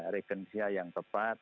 regensia yang tepat